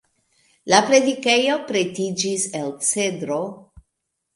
La predikejo pretiĝis el cedro.